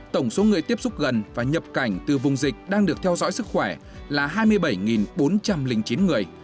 tổng số người tiếp xúc gần và nhập cảnh từ vùng dịch đang được theo dõi sức khỏe là hai mươi bảy bốn trăm linh chín người